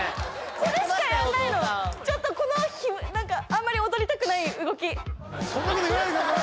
これしかやんないのちょっとこの何かあんまり踊りたくない動きそんなこと言わないでください